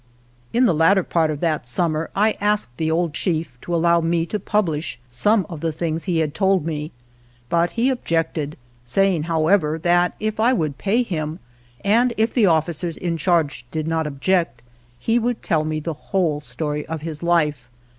In the latter part of that summer I asked the old chief to allow me to publish some of the things he had told me, but he objected, saying, however, that if I would pay him, and if the officers in charge did not object, he would tell me the whole story of his life.